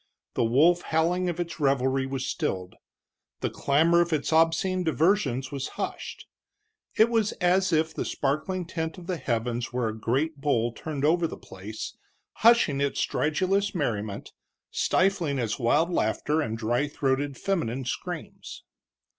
The wolf howling of its revelry was stilled, the clamor of its obscene diversions was hushed. It was as if the sparkling tent of the heavens were a great bowl turned over the place, hushing its stridulous merriment, stifling its wild laughter and dry throated feminine screams.